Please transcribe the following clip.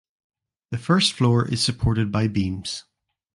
The first floor is supported by beams.